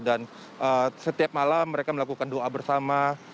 dan setiap malam mereka melakukan doa bersama